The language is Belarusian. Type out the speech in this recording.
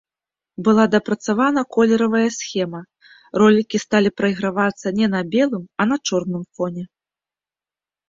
Была дапрацавана колеравая схема, ролікі сталі прайгравацца не на белым, а на чорным фоне.